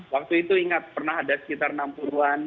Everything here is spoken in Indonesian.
waktu itu ingat pernah ada sekitar enam puluh an